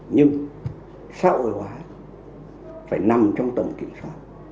nhưng xã hội hóa phải nằm trong tổng kiểm soát